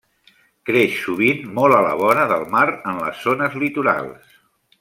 Creix sovint molt a la vora del mar en les zones litorals.